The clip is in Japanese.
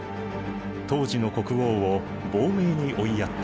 当時の国王を亡命に追いやった。